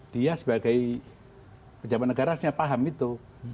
dia sebagai pejabat negara harusnya paham itu